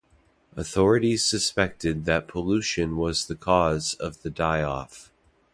Authorities suspected that pollution was the cause of the die-off.